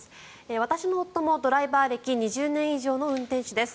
私の夫もドライバー歴２０年以上の運転手です。